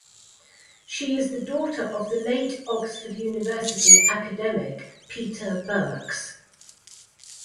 She is the daughter of the late Oxford University academic Peter Birks.